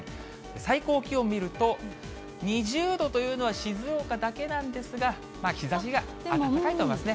最高気温見ると、２０度というのは静岡だけなんですが、日ざしが暖かいと思いますね。